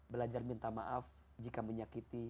belajar minta maaf jika menyakiti